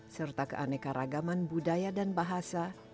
serta keaneka ragaman budaya dan bahasa